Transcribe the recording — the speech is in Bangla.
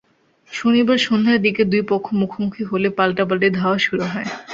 শনিবার সন্ধ্যার দিকে দুই পক্ষ মুখোমুখি হলে পাল্টাপাল্টি ধাওয়া শুরু হয়।